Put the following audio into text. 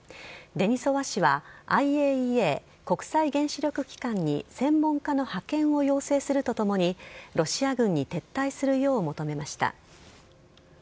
デニソワ氏は、ＩＡＥＡ・国際原子力機関に専門家の派遣を要請するとともに、ロシア軍に撤退するよう求めました。